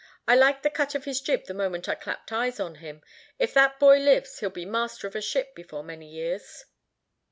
I liked the cut of his jib the moment I clapped eyes on him. If that boy lives he'll be master of a ship before many years."